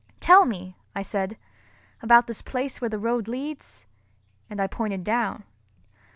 "Tell me," I said, "about this place where the road leads," and I pointed down.